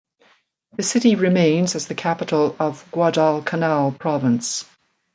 The city remains as the capital of Guadalcanal Province.